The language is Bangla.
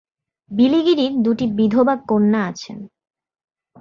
বিলিগিরির দুটি বিধবা কন্যা আছেন।